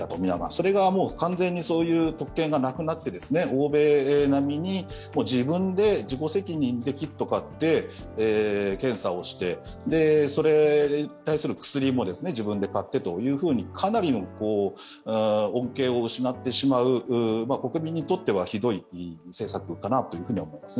それが完全にそういう特権がなくなって欧米並みに自分で自己責任でキットを買って、検査をして、それに対する薬も自分で買ってというふうにかなりの恩恵を失ってしまう国民にとってはひどい施策かなと思います。